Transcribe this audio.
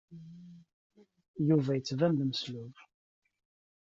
Yuba yettban-d d ameslub.